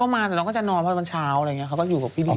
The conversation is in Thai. ก็มาแต่น้องก็จะนอนเวลาเช้าอะไรอย่างนี้เขาก็อยู่กับพี่ดี